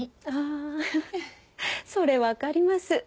ああそれわかります。